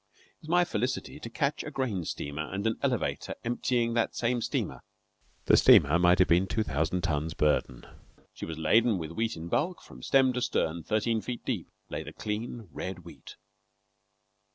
It was my felicity to catch a grain steamer and an elevator emptying that same steamer. The steamer might have been two thousand tons burden. She was laden with wheat in bulk; from stem to stern, thirteen feet deep, lay the clean, red wheat.